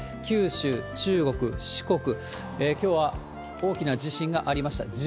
九州、中国、四国、きょうは大きな地震がありました。